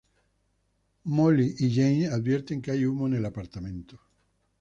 Mollie y James advierten que hay humo en el apartamento.